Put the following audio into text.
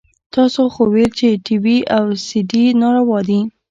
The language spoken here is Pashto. تاسو خو ويل چې ټي وي او سي ډي ناروا دي.